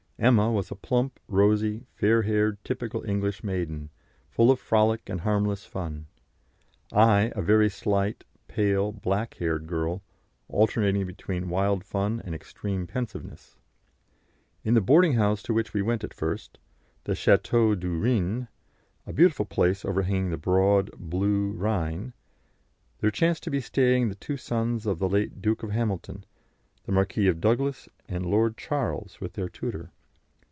Emma was a plump, rosy, fair haired typical English maiden, full of frolic and harmless fun; I a very slight, pale, black haired girl, alternating between wild fun and extreme pensiveness. In the boarding house to which we went at first the "Château du Rhin," a beautiful place overhanging the broad, blue Rhine there chanced to be staying the two sons of the late Duke of Hamilton, the Marquis of Douglas and Lord Charles, with their tutor.